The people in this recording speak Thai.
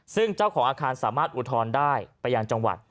ซึ่งเจ้าของอาคารสามารถอุทธรณ์ได้ไปยังจังหวัด